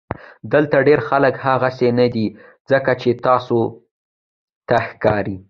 دلته ډېر خلک هغسې نۀ دي څنګه چې تاسو ته ښکاري